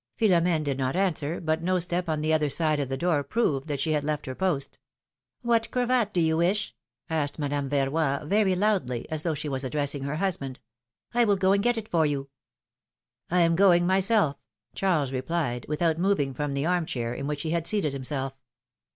Philom^ne did not answer, but no step on the other side of the door proved that she had left her post. What cravat do you wish?" asked Madame Verroy, 242 philom^:ne's marriages. very loudly, as though she were addressing her husband. I will go and get it for you.'^ I am going myself/' Charles replied, without moving from the arm chair in which he had seated himself.